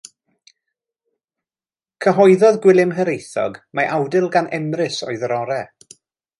Cyhoeddodd Gwilym Hiraethog mai awdl gan Emrys oedd yr orau.